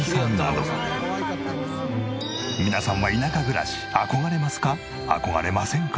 皆さんは田舎暮らし憧れますか？